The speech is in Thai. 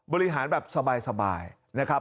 บริหารแบบสบายนะครับ